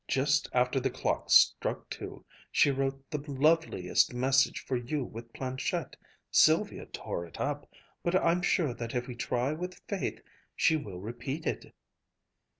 "Just after the clock struck two she wrote the loveliest message for you with planchette. Sylvia tore it up. But I'm sure that if we try with faith, she will repeat it